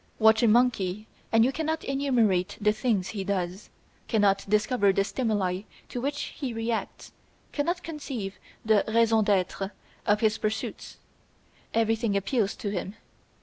"Watch a monkey and you cannot enumerate the things he does, cannot discover the stimuli to which he reacts, cannot conceive the raison d'etre of his pursuits. Everything appeals to him.